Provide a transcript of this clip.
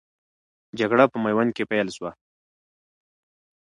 جګړه په میوند کې پیل سوه.